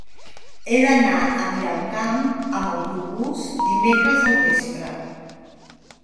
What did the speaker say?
He d'anar a Miralcamp amb autobús dimecres al vespre.